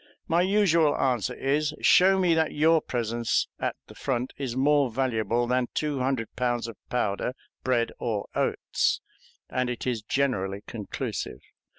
My usual answer is, "Show me that your presence at the front is more valuable than two hundred pounds of powder, bread, or oats"; and it is generally conclusive.